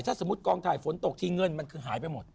ถ้าสมมุติกองถ่ายฝนตกทีเงินมันคือหายไปหมด